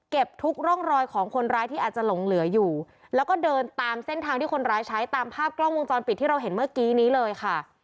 ทุกร่องรอยของคนร้ายที่อาจจะหลงเหลืออยู่แล้วก็เดินตามเส้นทางที่คนร้ายใช้ตามภาพกล้องวงจรปิดที่เราเห็นเมื่อกี้นี้เลยค่ะ